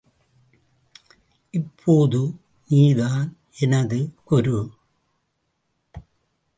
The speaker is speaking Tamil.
இப்போது நீதான் என் குரு.